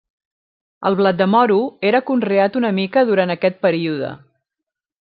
El blat de moro era conreat una mica durant aquest període.